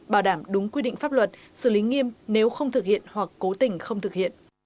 bảo đảm đúng quy định pháp luật xử lý nghiêm nếu không thực hiện hoặc cố tình không thực hiện